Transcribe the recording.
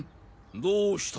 どうした？